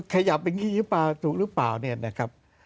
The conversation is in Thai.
ขยับอย่างนี้หรือเปล่าถูกหรือเปล่าเนี่ยนะครับ